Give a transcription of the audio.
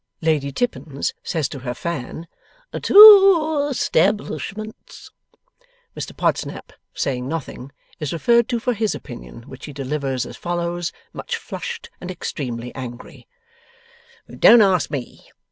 Lady Tippins says to her fan, 'Two establishments.' Mr Podsnap, saying nothing, is referred to for his opinion; which he delivers as follows; much flushed and extremely angry: 'Don't ask me.